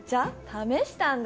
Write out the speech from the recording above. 試したんだよ。